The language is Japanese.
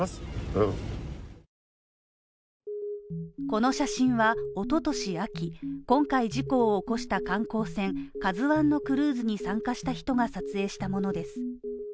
この写真は一昨年秋、今回事故を起こした観光船「ＫＡＺＵ１」のクルーズに参加した人が撮影したものです